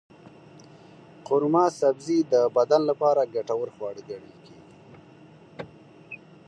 قورمه سبزي د بدن لپاره ګټور خواړه ګڼل کېږي.